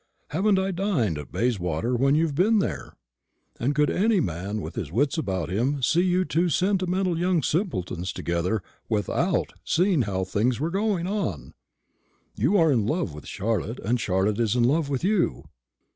Haven't I dined at Bayswater when you've been there? and could any man with his wits about him see you two sentimental young simpletons together without seeing how things were going on? You are in love with Charlotte, and Charlotte is in love with you.